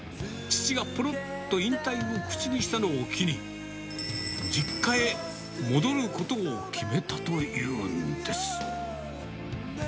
父がぽろっと引退を口にしたのを機に、実家へ戻ることを決めたというんです。